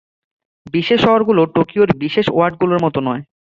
বিশেষ শহরগুলো টোকিওর বিশেষ ওয়ার্ডগুলোর মতো নয়।